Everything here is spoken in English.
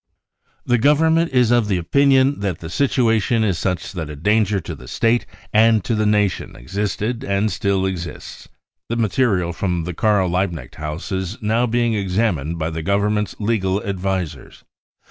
" The Government is of the opinion that the situation is such that a danger to the State and to the Nation existed and still exists. The material from the Karl Liebknecht house is now being examined by the Government's legal advisers.